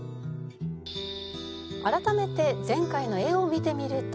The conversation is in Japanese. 改めて前回の絵を見てみると